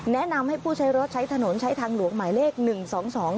แนะนำให้ผู้ใช้รถใช้ถนนใช้ทางหลวงหมายเลขหนึ่งสองสอง